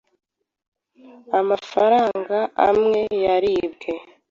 Amafaranga amwe yaribwe.